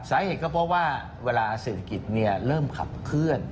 สาเหตุก็เพราะว่าเวลาเศรษฐกิจเริ่มขับเคลื่อน